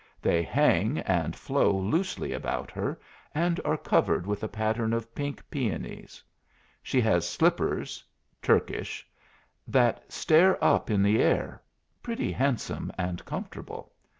They hang and flow loosely about her, and are covered with a pattern of pink peonies. She has slippers Turkish that stare up in the air, pretty handsome and comfortable.